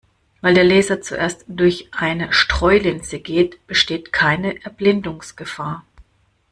Weil der Laser zuerst durch eine Streulinse geht, besteht keine Erblindungsgefahr.